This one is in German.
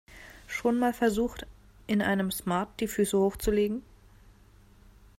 Schon mal versucht, in einem Smart die Füße hochzulegen?